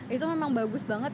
itu memang bagus banget